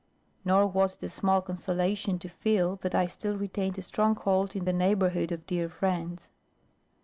Nor was it a small consolation to feel that I still retained a stronghold in the neighbourhood of dear friends.